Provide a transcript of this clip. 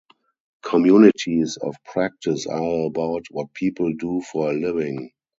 Communities of practice are about what people do for a living.